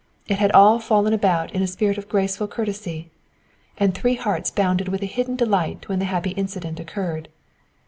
It had all fallen about in a spirit of graceful courtesy. And three hearts bounded with a hidden delight when the happy incident occurred.